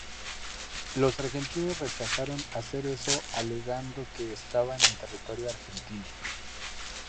Los argentinos rechazaron hacer eso alegando que estaban en territorio argentino.